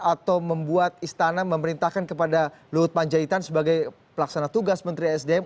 atau membuat istana memerintahkan kepada luhut panjaitan sebagai pelaksana tugas menteri sdm